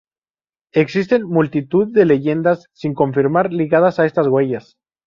Existen multitud de leyendas sin confirmar ligadas a estas huellas.